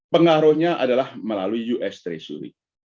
pengaruhnya adalah melalui us treasury